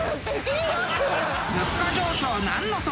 ［物価上昇何のその］